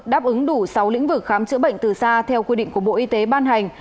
đáp ứng đủ sáu lĩnh vực khám chữa bệnh từ xa theo quy định của bộ y tế ban hành